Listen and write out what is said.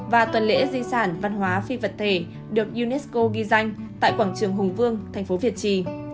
và tuần lễ di sản văn hóa phi vật thể được unesco ghi danh tại quảng trường hùng vương thành phố việt trì